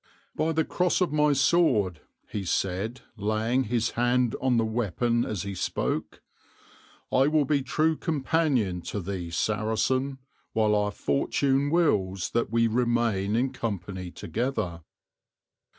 "By the cross of my sword," he said, laying his hand on the weapon as he spoke, "I will be true companion to thee, Saracen, while our fortune wills that we remain in company together."